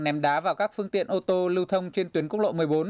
ném đá vào các phương tiện ô tô lưu thông trên tuyến quốc lộ một mươi bốn